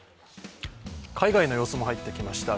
海外の様子も入ってきました。